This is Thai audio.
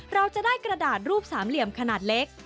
เราจะได้กระดาษรูปสามเหลี่ยมขนาดเล็ก